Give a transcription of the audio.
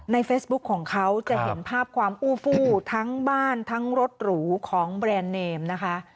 เฟซบุ๊คของเขาจะเห็นภาพความอู้ฟู้ทั้งบ้านทั้งรถหรูของแบรนด์เนมนะคะ